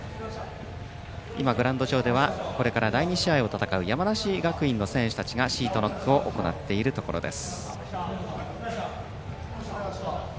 グラウンド上ではこれから第２試合を戦う山梨学院の選手たちがシートノックを行っているところです。